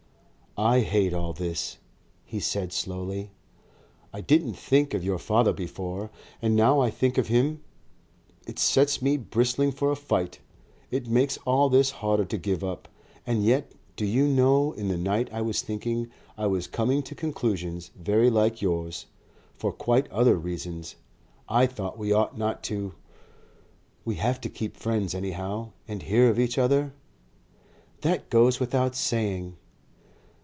"I hate all this," he said slowly. "I didn't think of your father before, and now I think of him it sets me bristling for a fight. It makes all this harder to give up. And yet, do you know, in the night I was thinking, I was coming to conclusions, very like yours. For quite other reasons. I thought we ought not to We have to keep friends anyhow and hear of each other?" "That goes without saying."